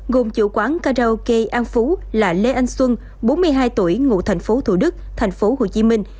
gồm chủ quán karaoke an phú là lê anh xuân bốn mươi hai tuổi ngụ thành phố thủ đức thành phố hồ chí minh